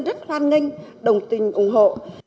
rất hoan nghênh đồng tình ủng hộ